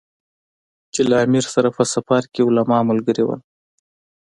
چې له امیر سره په سفر کې علما ملګري ول.